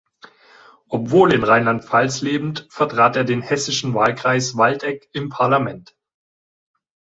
Obwohl in Rheinland-Pfalz lebend, vertrat er den hessischen Wahlkreis Waldeck im Parlament.